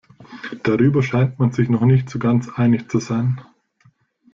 Darüber scheint man sich noch nicht so ganz einig zu sein.